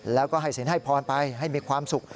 แล้วก็ให้ศีลให้พรไปให้มีความสุข